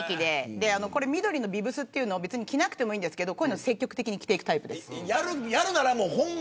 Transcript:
緑のビブスは着なくてもいいんですけどこういうのは積極的に着ていくタイプです。